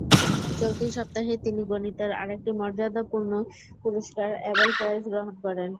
চলতি সপ্তাহেই তিনি গণিতের আরেকটি মর্যাদাপূর্ণ পুরস্কার অ্যাবেল প্রাইজ গ্রহণ করেন।